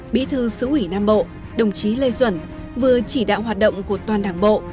bỹ thư sứ ủy nam bộ đồng chí lê duẩn vừa chỉ đạo hoạt động của toàn đảng bộ